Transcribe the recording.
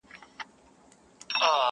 • خدای ورکړئ یو سړي ته داسي زوی ؤ..